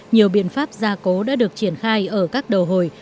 nhiều biện pháp gia cố đã được triển khai ở các đầu hồi